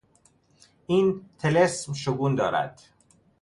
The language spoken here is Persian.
این طلسم شگون دارد.